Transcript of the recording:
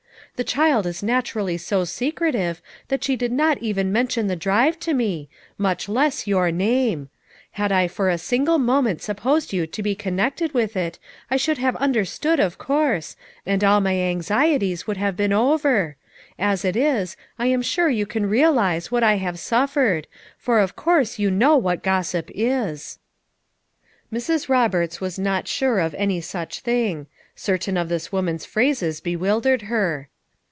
The child is naturally so secretive that she did 256 FOUR MOTHERS AT CHAUTAUQUA not even mention the drive to mo, must loss your name; had I for a single moment supposed you to bo connected with it I should have un derstood, of course, and all my anxieties would have been over; as it is, I am sure you can realize what I have suffered, for of course you know what gossip is." Mrs. Roberts was not sure of any such thing; certain of this woman's phrases bewil dered her.